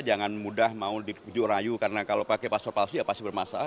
jangan mudah mau dikujuk rayu karena kalau pakai pasal palsu ya pasti bermasalah